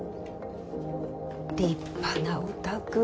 立派なお宅。